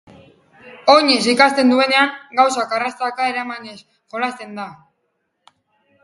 Oinez ikasten duenean, gauzak arrastaka eramanez jolasten da.